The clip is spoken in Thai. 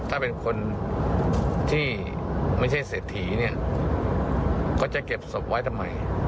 ถ้าเป็นคนที่ไม่ใช่เศรษฐีเนี่ยเขาจะเก็บศพไว้ทำไม